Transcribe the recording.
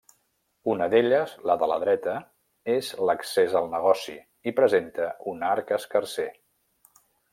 Una d'elles, la de la dreta, és l'accés al negoci i presenta un arc escarser.